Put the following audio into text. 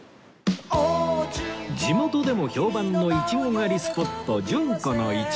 地元でも評判のイチゴ狩りスポット